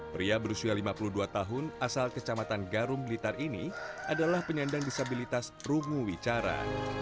pria berusia lima puluh dua tahun asal kecamatan garum blitar ini adalah penyandang disabilitas rungu wicara